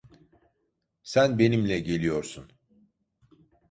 Sen benimle geliyorsun.